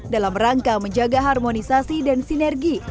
dalam rangka menjaga harmonisasi dan sinergi